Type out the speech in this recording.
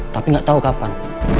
tapi gak tau kapan